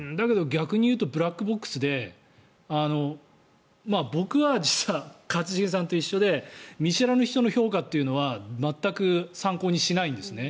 逆に言うとブラックボックスで僕は実は一茂さんと一緒で見知らぬ人の評価というのは全く参考にしないんですね。